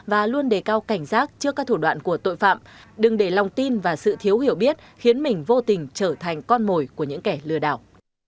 và luôn đề cao cảnh giác trước các thủ đoạn của tội phạm đừng để lòng tin và sự thiếu hiểu biết khiến mình vô tình trở thành con mồi của những kẻ lừa đảo